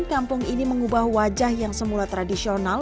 kampung ini mengubah wajah yang semula tradisional